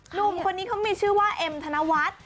หนุ่มคนนี้เขามีชื่อว่าเอ็มธนวัฒน์